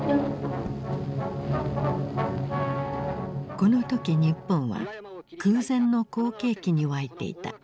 この時日本は空前の好景気に沸いていた。